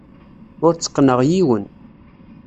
Ur tteqqneɣ yiwen.